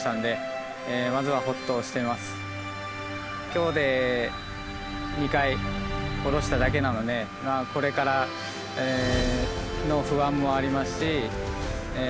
今日で２回下ろしただけなのでこれからの不安もありますし